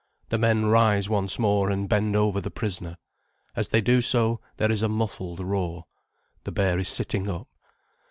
The men rise once more and bend over the prisoner. As they do so, there is a muffled roar. The bear is sitting up.